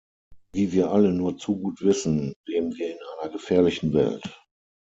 Wie wir alle nur zu gut wissen, leben wir in einer gefährlichen Welt.